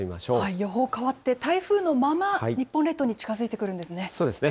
予報変わって、台風のまま、日本列島に近づいてくるんですね。